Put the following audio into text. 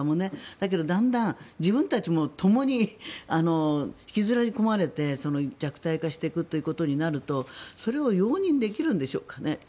だけど、だんだん自分たちもともに引きずり込まれて弱体化していくということになるとそれを容認できるんでしょうかね。